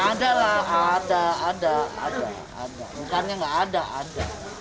adalah ada ada ada ada ada bukannya nggak ada ada